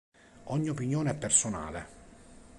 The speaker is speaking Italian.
Ogni opinione è personale.